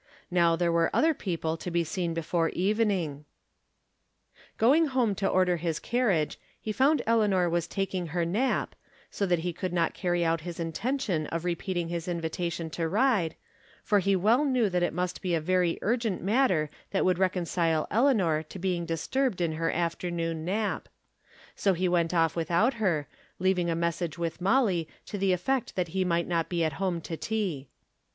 Now there were other people to be seen before evening. From Different^ Standpoints. 211 Going home to order his carriage, he found Eleanor was taking Iier nap, so that lie could not cwcTj out his intention of repeating his invitation to ride, for he well knew that it must be a very urgent matter that would reconcile Eleanor to being disturbed in her afternoon nap. So he went off without her, leaving a message with Mollie to the effect that he might not be at home to tea.